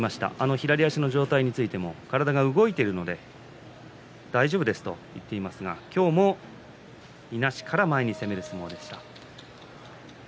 左足の状態についても体が動いているので大丈夫ですと言っていますが今日もいなしから前に攻める相撲でした。